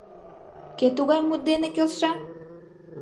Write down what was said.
— Кӧ тугай мут дене келша?